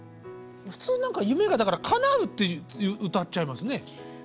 普通何か夢がかなうって歌っちゃいますね。